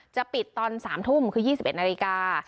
จะปิดตอน๓ทุ่มคือ๒๑นาฬิกา